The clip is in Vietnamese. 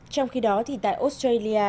trong khi đó thì tại australia